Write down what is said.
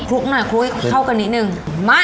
ลุกหน่อยคลุกเข้ากันนิดนึง